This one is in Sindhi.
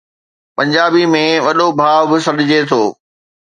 پنجابي ۾ وڏو ڀاءُ به سڏجي ٿو.